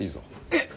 えっ！